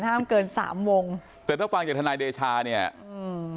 ห้ามเกินสามวงแต่ถ้าฟังจากทนายเดชาเนี่ยอืม